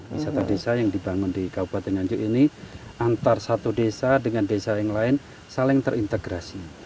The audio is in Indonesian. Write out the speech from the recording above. wisata desa yang dibangun di kabupaten nganjuk ini antara satu desa dengan desa yang lain saling terintegrasi